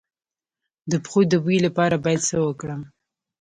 د پښو د بوی لپاره باید څه وکړم؟